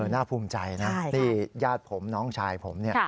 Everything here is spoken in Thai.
น่าภูมิใจนะนี่ญาติผมน้องชายผมเนี่ย